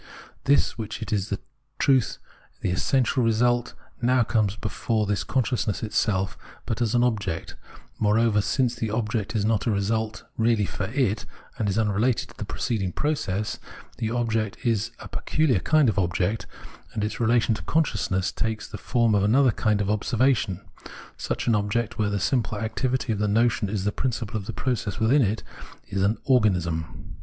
This, which is in truth the essential result, now comes before this con sciousness itself, but as an object ; moreover, since the object is not a result really for it, and is unrelated to the preceding process — the object is a peculiar kind of object, and its relation to consciousness takes the form of another kind of observation. Such an object, where the simple activity of the notion is the principle of the process within it, is an Organism.